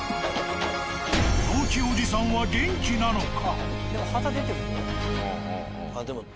陽気おじさんは元気なのか？